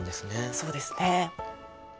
そうですね。